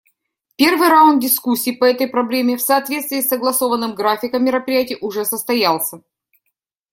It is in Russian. Первый раунд дискуссий по этой проблеме, в соответствии с согласованным графиком мероприятий, уже состоялся.